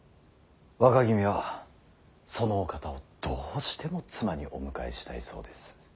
若君はそのお方をどうしても妻にお迎えしたいそうです。